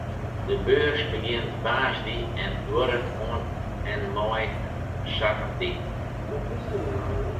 De beurs begjint woansdei en duorret oant en mei saterdei.